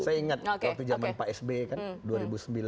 saya ingat waktu jaman pak s b